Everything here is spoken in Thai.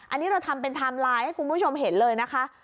อันนี้เราทำเป็นไทม์ไลน์ให้คุณผู้ชมเห็นเลยนะคะ